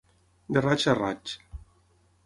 De raig a raig.